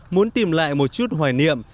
muốn tìm lại một chút hoài niệm